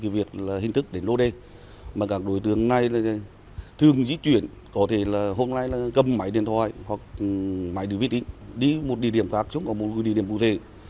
vì hôm nay cầm máy điện thoại hoặc máy đi viết tính đi một địa điểm khác chứ không có một địa điểm cụ thể